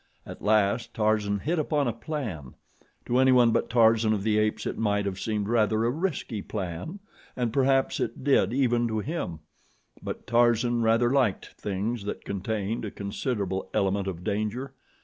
At last Tarzan hit upon a plan. To anyone but Tarzan of the Apes it might have seemed rather a risky plan, and perhaps it did even to him; but Tarzan rather liked things that contained a considerable element of danger.